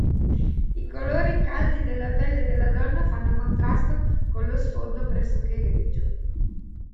I colori caldi della pelle della donna fanno contrasto con lo sfondo pressoché grigio.